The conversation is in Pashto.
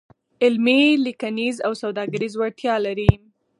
علمي، لیکنیز او سوداګریز وړتیا لري.